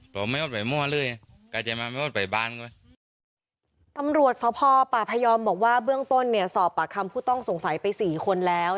ตำรวจสพปพยอมบอกว่าเบื้องต้นเนี่ยสอบปากคำผู้ต้องสงสัยไปสี่คนแล้ว